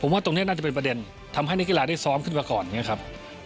ว่าตรงนี้น่าจะเป็นประเด็นทำให้นักกีฬาได้ซ้อมขึ้นมาก่อนอย่างนี้ครับ